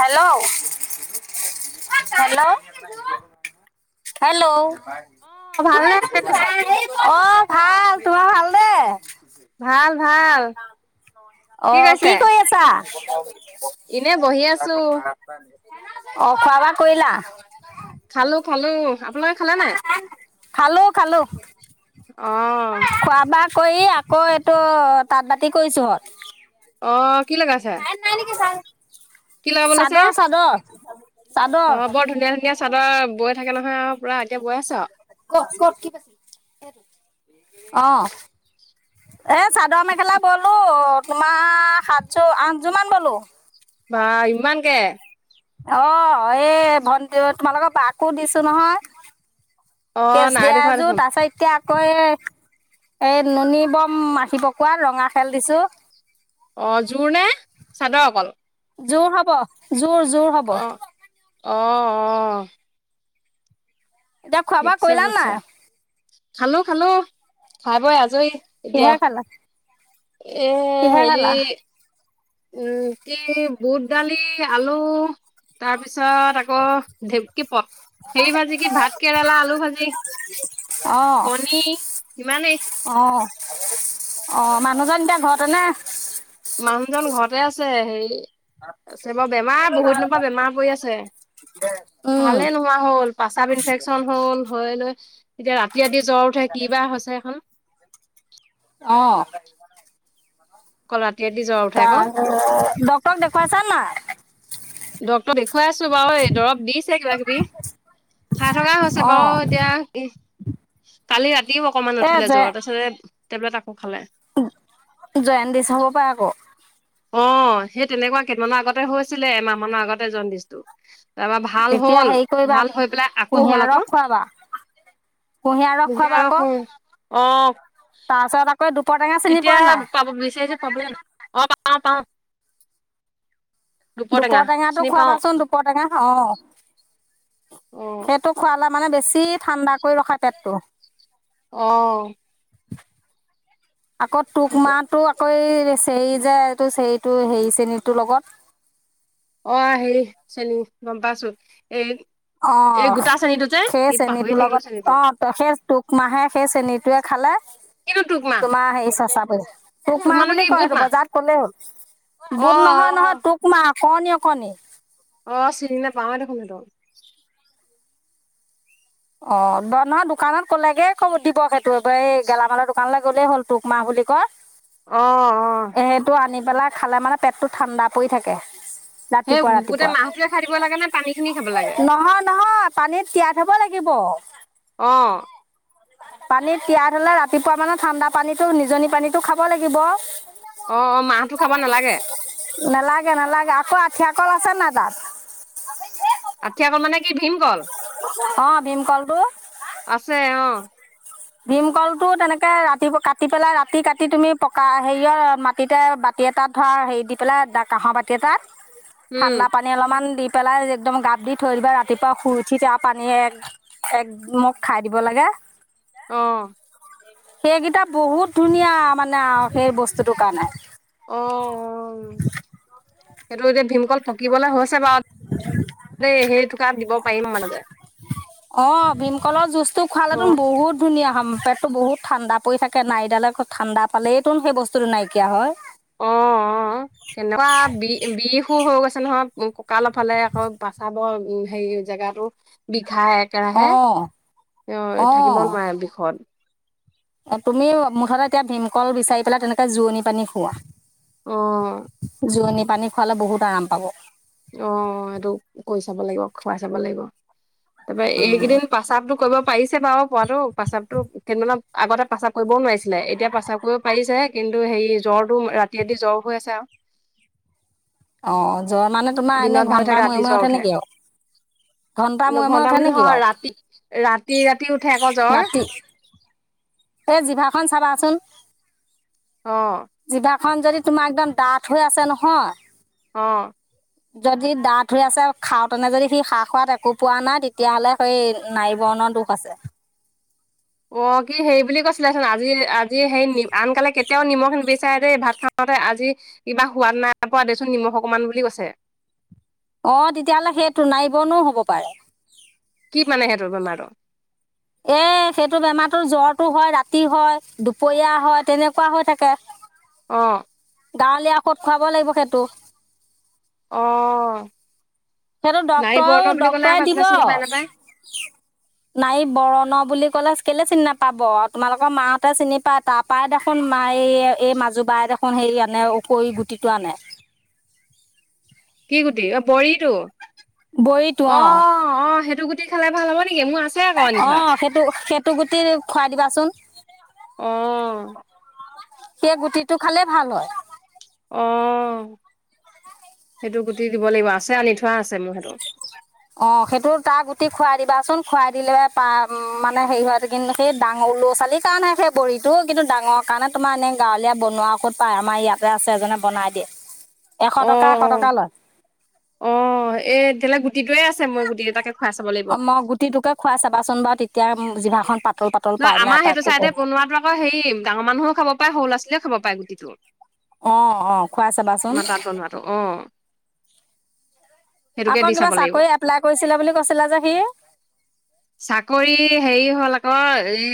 Hello hello hello অ ভালনে অ ভাল তোমাৰ ভাল দে ভাল ভাল অ কি কৰি আছা এনে বহি আছো অ খোৱা বোৱা কৰিলা [unintelligible] খালো খালো আপোনালোকে খালে নাই খালো খালো অ খোৱা বা কৰিৌ আকৌ এইটো তাঁত বাতি কৰিছোহঁত অ কি লগাইছা চাদ চাদ অ বৰ ধুনীয়া ধুনীয়া চাদৰ বত চাইকেল তে আও। পুৰা এতিয়া বৈ আছা। অ এ চাদৰ মেখেলা বলো তোমাৰ সাতশ আঠযোৰমান বলো। বা ইমানকে। অ এই ভণ্টিউ তোমালোকৰ বাকো দিছো নহয়। অ কেচ নাই দিয়া দেখুৱা এযোৰ দেখোন তাৰ পাছত এতিয়া। কৈ এই নুনী বম আহিব কোৱা ৰঙা খেল দিছোঁ। অ জোৰ নে চাদৰ অকল। জোৰ হ'ব জোৰ। জোৰ হ'ব। অহঁ অঁ'হ। এতিয়া খোৱাাবা কৰিলা বুইছা নাই। খালো খালো খাই বই আজৰি। এতিয়া কিহে খালা। এ কিহে হেৰি। খালা উম কি বুট দালি আলু। তাৰপিছত আকৌ ঢেপকী পথ। সে ভাজি কি ভাত কেৰেলা আলু ভাজি। অহ কণী ইমানেই অহ। অ মানুহজন এতিয়া ঘৰতেনে? মানুহজন ঘৰতে আছে হেৰি আছে বাৰু। বেমাৰ বহুত দিনৰ পৰা বেমাৰ পৰি আছে। ভালে নোহোৱা হল। প্ৰস্ৰাৱ ইনফেকচন হল হৈ লৈ এতিয়া ৰাতি ৰাদি জ্বৰ উঠে কি বা হৈছে সখন। অ। কলাত। ত ডক্টৰ দেখুৱ চা নাই? ডক্তৰ দেখোৱা। দেখুৱাই আছো বাৰু এই দৰৱ দিছে। কিবা কিবি খাই থকা হৈছে অঁ বাৰু এতিয়া কালি ৰাতিও অকমান উঠিলে জ্বৰ তাৰপিছতে। তেপলেত আকৌ খালে। জয়নদিছ হব পাৰে ক। অ সেই তেনেকুৱা কেইদামানৰ আগতে হৈ আছিলে এমাহ মানৰ আগতে জনডিচটো। তাৰপৰা ভাল তেতিয়া হল হেৰি কৰিবা ভাল হৈ পেলাই আকৌ কুঁহিয়াৰ হল ৰস আকৌ খোৱাবা কুঁহিয়াৰ কুহিয় ৰসখো। অ। তাৰ পাছত আকৌ। দুপৰ টেঙা চিনি এতিয়া পোৱা নাই পাব বিচাৰিছো। অ পা পাওঁ। দুপৰটেঙা দুপৰ টেঙাটো চিনি পাওঁ খুৱাবাচোন দুপৰ টেঙা অ। অ সেইটো খোৱালে মানে বেছি ঠাণ্ডা কৰি ৰখা পেটটো। আহ আকৌ তোক মাৰটো আকৌ এই চেৰী যে এইটো চেৰটো হেৰি চেনীটো লগত অ হেৰি চেনী গম পাইছো এই অ এই গোটা চেনীটো যে সেই কি পাহৰি চেনীটোৰ থাকিলো লগত চেনীটো অ সেই টোক মাহে সেই চ্ৰেনীটোৱে খালে কিনো তোক মাহ তোমাৰ হেৰি চেচাপৰে টোক তোক মাহ মানো বুলি কি কয় বুট সেইটো মাহ বজাৰত কলেই হ'ল অ বুধ নহয় অ নহয় টোক মাহ [unintelligible] কণী কণী অ চিনি নাপাৱে দেখোনহতক অ নহয় দোকানত ক'লেগে ক দিব সেইটো এবাৰ এই গেলামালৰ দোকানলৈ গ'লেই হ'ল টোোক মাহ বুলি কত আহ আহ পেলাই খালে মানে পেটটো ঠাণ্ডা পৰি থাকে সেই ৰাতিপুৱা গোটেই ৰাতিপুৱা মাহটোৱে খাই দিব লাগে নে পানী খিনি খাব লাগে নহয় নহয় পানীত তিয়াই থব লাগিব [unintelligible] গিব অ পানীত তিয়াই হলে ৰাতিপুৱা মানে ঠাণ্ডা পানী নিজনি পানীটো খাব লাগিব [unintelligible] অ অ মাহতো খাব নালাগে নেলাগে নালাগে আকৌ আঠিয়া কল আছে না তাত আঠিয়া কল মানে কি ভীম কল অ ভীম কলটো আছে অ ভীমকলটো তেনেকে ৰাতিপুৱা কাটি পেলাই ৰাতি কাটি তুমি পকা হেৰিয়ত মাটিতে বাতি এটাত ধৰা হেৰি দি পেলাই কাঁহৰ বাতি এটাত উম ঠাণ্ডা পানী অলপমান দি পেলাই একদম গাপ দি থৈ দিবা ৰাতিপুৱা শুই উঠি তাৰ পানী এক একমোক খাই দিব লাগে আহ সেইকেইটা বহুত ধুনীয়া মানে আৰু সেই বস্তুটোৰ কাৰণে অ সেইটো এতিয়া ভীম অকল পকিবলে হৈছে বাৰু দেই সেই োক দিব পাৰিম মানে যে অ', ভীমকলৰ জুচটো অ খোৱালেতোন বহুত ধুনীয়া হয় পেটটো বহুত ঠাণ্ডা পৰি থাকে নাইিডালে ঠাণ্ডাালেইতো সেই বস্তুটো নাইকিয়া হয় অ অ তেনেকুৱা বি বিষ হৈ গৈছে নহয় ককালৰ ফালে আকৌ বচাব হেৰি জেগাটো বিষ [unintelligible] ঘাই একেৰাহে অ', থাকিব অ', নোৱাৰে বিষত তুমি মুঠতে এতিয়া ভীমকল বিচাৰি পেলাই তেনেকে জোৰণি পানী খুওৱা অ জোৰণি পানী খোৱালে বহুত আৰাম পাব অ এইেইটো কৰিৈ চাব লাগিব খুৱাই চাব লাগিব তাৰ পৰাৰা উম, এইকেইদিন প্ৰস্ৰাৱটোো কৰিব পাৰিছে বাৰু পাতটো প্ৰসাৱতো সানপ আগতে প্ৰসাৱ কৰিবও নোৱাৰিছিলে এতিয়া প্ৰসাৱ কৰিব পাৰিছে কিন্তু টো হেৰি জ্বৰটো ৰাতি ৰাদি জ্বৰ হৈ আছে আৰু অঁ যোৱা মানে তোমাৰ এনেই দিনত ভাল ঘণ্টা থাকে ৰাতি মৰিমৰে জ্বৰ উঠে নেকি আৰু ঘণ্টা মৰিমৰে ঘন্টা উঠে মানে নেকি নহয় বাৰু ৰাতি ৰাতি ৰাতি উঠে আকৌ জ্বৰ ৰাতি এই জিভাখন চাবাচোন অ খন যদি তোমাক একদম ডাঠ হৈ আছে নহয় আহ যদি দা ধু আছে খাওঁতেনে যদি সি খা খোৱাত একো পোৱা নাই তেতিয়াাহলে সেই নাৰী বৰ্ণৰ দুখ আছে অ কি হেৰি বুলি কৈছিলেচোন আজি আজি হে আনকালে কেতিয়াও নিমখ নিবচাৰে দেই ভাত খাওঁতে আজি কিবা সোৱাদ নাই পোৱা দেচোন নিমখ অকমান বুলি কৈছে অ তেতিয়াহ'লে সেইটো নাই বনোও হব পাৰে কি মানে সহঁতৰ বেমাৰো এ সেইটো বেমাৰতো জ্বৰটো হয় ৰাতি হয় দুপৰীয়া হয় তেনেকুৱা হৈ থাকে অ গাঁৱলীয়া আকৌ খুৱাব লাগিব সেইটো অ সেইটো নাৰী বৰ্ণ ডক্তৰেও বুলি ক'লে ড্টৰে আকৌ দিব এইফালে চিনি পাই নাপায় নাইি বৰণ বুলি কলে কেলে চিনি নাপাব তোমালোকৰ [unintelligible] মাহঁতে চিনি পায় তাৰ পৰাৰাই দেখোন মা এই এই মাজু বাই দেখোন হেৰি আনে ওকৰি গুটিটো আনে কি গোটি অ পঢ়িতো বড়িটো অ অ সেইটো গোট খ ভাল হব নি অ সেইটো সেইটো গুটি খুৱাই দিবাচোন অ সেই গুটিটো খালে ভাল হয় অ সেইটো গুটি দিব লাগিব আছে আনি থোৱা আছে মোৰ সেইটো অ সেইটো তাৰ গুটি খুৱাই দিবাচোন খুৱাই দিলে প মানে হেৰি হয় কিন্তু সেই ডাঙৰ লৰা ছোৱালীৰ কাৰণেহে সেই বৰিতটো কিন্তু ডাঙৰ কাৰণে তোমাৰ এনেই গাঁৱলীয়া বনোৱা কত পায় আমাৰ ইয়াতে আছে এজনে বনাই দিয়ে এশ অ টকা এশ অ টকা লয় অ এ তেতিয়াহ'লে গুটিটোৱয়ে আছে মই গুটিটো তাকে অ মই গুটিটোকে খুৱাই চাবাচোন বাৰু এতিয়া জিভাখন পাতল পাত নহয় আমাৰ সেইটো চাইডে বনোৱাতো আকৌ হেৰি ডাঙৰ মানুহো খাব পায় সৰু ল আছিলীয়েও খাব পায় গুটিটো আহ অ খুৱাই চাবাচোন আমাৰ তাত বনোৱাটো অ সেইটোকে আকৌ দি কিবা চাব লাগিব চাকৰি এপ্লাই কৰিছিলে বুলি কৈছিলা যে সি অাল এই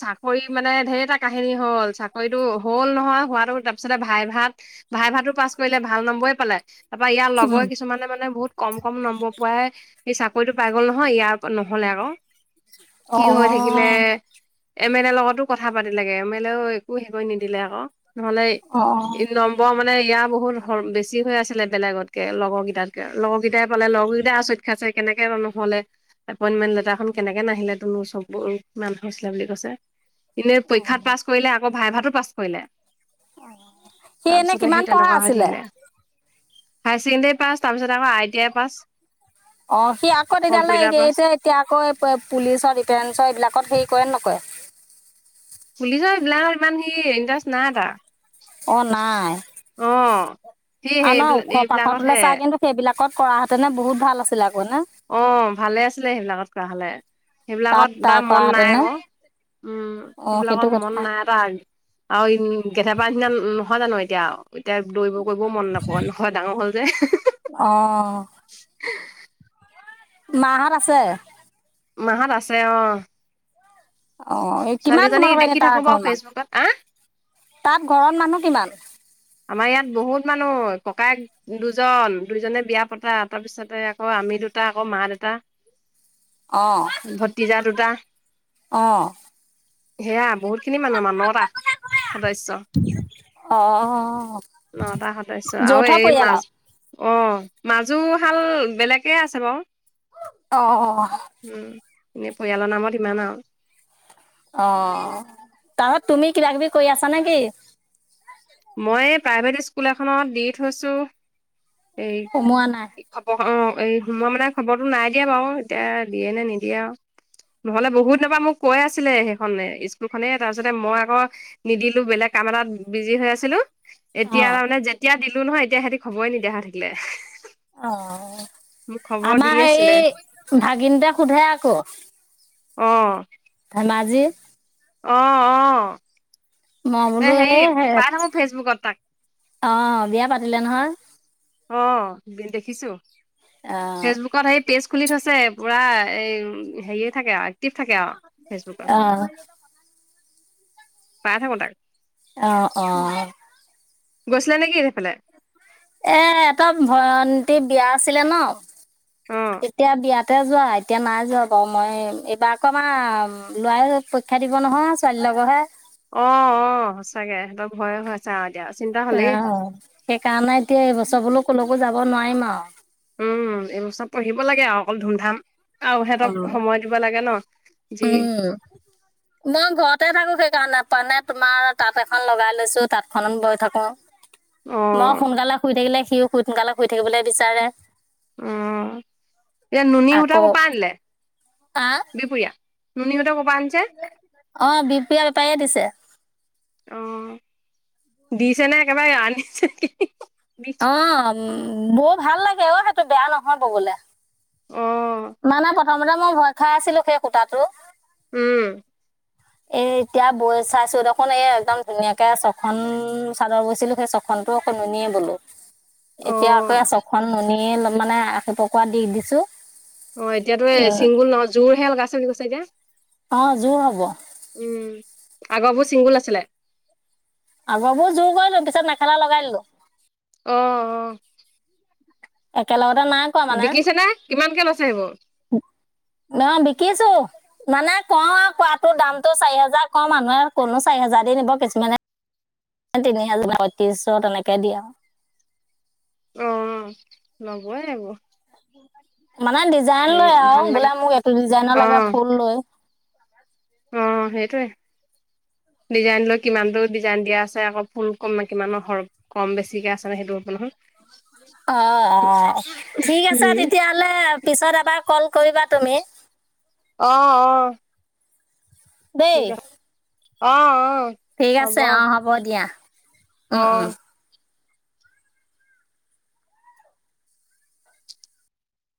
চাকৰি মানে ঢেৰ এটা কাহিনী হল চাকৰিতটো হল নহয় হোৱাাতটো তাৰপিছতে ভাই ভাত ভাই ভাতটো পাছ কৰিলে ভাল নম্বৰেই পালে তাৰ পৰাৰা ইয়াৰ লগৰ কিছুমানে মানে বহুত কম কম নম্বৰ পোৱাই সেই চাকৰিটো পাই গ'ল নহয় ইয়াৰও নহ'লে আকৌ কি অঁ হৈ থাকিলে এম এল এৰ লগতো কথা পাতি লাগে এম এল এও একো হেকৈ নিদিলে আকৌ নহলে অঁ নম্বম াৰ মানে ইয়াৰ বহুত বেছি হৈ আছিলে বেলেগতকে লগৰ কেইটাত কেে লগৰ কেইটাই পালে লগৰ কেইটাই আচৰিত খাইছে কেনেকে নুহলে এপইন্টমেন্ট লেটাৰ খন কেনেকে নাহিলে তনোৰ চব কিমান সুচলা বুলি কৈছে এনেই পৰীক্ষাত পাছ কৰিলে আকৌ ভাই ভাতটো পাছ কৰিলে সি এনে তাৰপিছতে কিমান পঢ়া আছিলে হাইচেকেণ্ডেৰী পাচ তাপাছত অ সি আকৌ তেতিয়াহলে কম্পিউটাৰ পাছ যে এতিয়া আকৌ পুলিচত ফেৰেন্ছৰ এইবিলাকত হেৰি কৰে নকৰে খুলিছ এইবিলাক ইমান সি ইণ্টাৰেষ্ট নাই এটা অ নাই সি আৰু ন সেইবিলাক ওখ পাখ তলে এইবিলাকতহে চা কিন্তু সেইবিলাক কত কৰা হেতেনে বহুত ভাল আছিলে আকৌ নে অ ভালে আছিলে সেইবিলাকত কৰা হলে তাত সেইবিলাকত তাই এাৰ মন নাই কৰাহেঁতেনে আকৌ উম অ সেইটো সেইবিলাকত মন কথা নাই এটা আৰু কেথেপাৰ নিচিনা নহয় জানো এতিয়া আৰু এতিয়া দৌৰিব কৰিবও মন নাকয় নহয় ডাঙৰ হল যে অ মাহত আছে মাহত আছে অ অ এই কিমান ছোৱালীজনী তোমালোকৰ এনে দেখি তাৰ থাকো বাৰু ঘৰ মান ফেচবুকত আ তাত ঘৰত মানুহ কিমান আমাৰ ইয়াত বহুত মানুহ ককায়েক দুজন দুজনে বিয়া পতা তাৰপিছতে আকৌ আমি দুটা আকৌ মা দুটা আহ ভতিজা আহ সেয়া বহুত খিনি মানুহ আমাৰ ন টা সদস্য অ যৌথ পৰিয়াল আৰু অঁ মাজোশাল বেলেগেই আছে বাৰু অ এনেই পৰিয়ালৰ নামত ইমান আৰু অ তাৰপছত তুমি কিবা কিবি কৰি আছা নে কিি মই প্ৰাইভেট স্কুল এখনত দি থৈছোঁ এই সোমোৱা নাই কি হব অ এই মই মানে খবৰটো নাই দিয়ে বাৰু এতিয়া দিয়ে নে নিদিয়ে আৰু নহ'লে বহুত দিনৰ পৰা মোক কৈ আছিলে সেইখনে স্কুলখনেই তাৰপিছতে মই আকৌ নিদিলো বেলেগ কাম এটাত বিজি হৈ আছিলোঁ এতিয়া অ', আান যেতিয়া দিলো নহয়তিয়া সেহতি খব নিদিয়া হ'ল। থাকিলে। অ মোক খবৰ দি আমাৰ আছিলে হে ভাগিনতে সোধে আকৌ। অ। মাজে। অহ অহ। মই বোলো সেই হ ফেচবুকত তাক অ বিয়া পাতিলে নহয়। অ দেখিছো। অ', ফেচবুকত সেই। তেজ খুলি থছে পুৰা এই হেৰিয়ে থাকে আৰু। এক্টিভ থাকে আৰু ফেচবুকত অহ। পাই থাকো তাক। অহ অহ। গৈছিলা নেকি এফালে? এ এটা ভয়ন্তী বিয়া আছিলে ন। অ অ তেতিয়া বিয়াত। তাতে যোৱা এতিয়া নাই যোৱা বাৰু মই এইবাৰ আকৌ আমাৰ লৰাাই পৰীক্ষা দিব নহয় ছোৱালী লগৰহে। অ অ সঁচাকে সিহঁতৰ ভয়ে হৈ আছে অহ এ দিয়া। অ সেইকাৰণাই এতিয়া এই বস্তু। চবলৈ ক'লৈকো যাব নোৱাৰিম আও। উম এইবস্থা পঢ়িব লাগে আৰু অকল ধুমধাম। আৰু সিহঁতক সময় দিব লাগে ন। যি উম মই ঘৰতে থাকো সেইকাৰণে। নাপ নে তোমাৰ তাঁত এখন লগাই লৈছো তাঁতখনত বৈ থাকো। মই অ', সোনকালে শুই থাকিলে। সিও সোনকালে শুই থাকিবলৈ বিচাৰে। উ এতিয়া নুনী সূতা আকৌ কপ পৰা আনিলে। আহ বিপুৰীয়া। নুীহঁতে ক। অ বিপিয় বেপাৰীয়ে দিছে। অ দিছে নে একেবাৰে আনিছে নে। অ। বৌ ভাল লাগে অ সেইটো বেয়া নহয় বগলে। অ', মানে প। তানে মই ভয় খাই আছিলো সেই কুতাতটো। উম। এ এতিয়া বৈ চাইছো দেখোন এই একদম ধুনীয়াকে ছখন চাদৰ বৈছিলো সেই ছখনতটো সননিয়ে বোলো এতিয়া আকৌ অ', চ খখন নুনিয়ে ল মানে আশি পকা দি দিছো অ এতিয়াাতো এই উম চিংগুল ন জোৰহে লগাইছে বুলি কৈছে চাগা অ জোৰ হব উম আগৰবোৰ চিংগুল আছিলে আগাবোৰ জোৰ গলো পিছত মেখেলা লগাই দিলো অ অ একেলগত এ নাই কোৱা মানে বিকিছে নে কিমানকে লৈছে সেইবোৰ? নহ বিকিছো মানে কওঁ আৰু কোৱাটো দামতটো চাৰি হোজাৰ কওঁ মানুহে কোনো চাৰি হোজাৰ দি নিব কিছুমানে তিনি হোজাৰ বায়ত্ৰিশশ তেনেকে দিয়ে আৰু অ লবয়ইে আকৌ মানে ডিজাইন লয় আৰু ভাল লাগে বোলে মোক এক ডিজাইনৰ লগে অ', ফুল লৈ অ সেইটোৱে ডিজাইন লৈ কিমানটো ডিজাইন দিয়া আছে আকৌ ফুল ক কিমানৰৰ কম বেছিকে আছেনে সেইটো আপ নহয় অ অ ঠিক আছে উম। তেতিয়াহ'লে পিছত এবাৰ কল কৰিবা তুমি অ অ দেই অঁ অ ঠিক আছে অ হ'ব দিয়া উম উম অ'।